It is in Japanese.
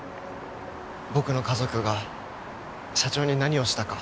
僕の家族が社長に何をしたか。